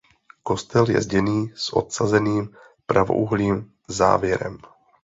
Kostel je zděný s odsazeným pravoúhlým závěrem.